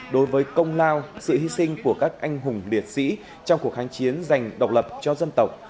đối với công lao sự hy sinh của các anh hùng liệt sĩ trong cuộc kháng chiến dành độc lập cho dân tộc